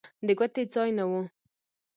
د ګوتې ځای نه و.